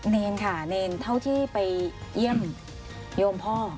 เนรค่ะเนรเท่าที่ไปเยี่ยมโยมพ่อ